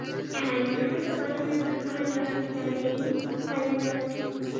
د حیواناتو پالنه د ښکار له ابتدايي حالته وشوه.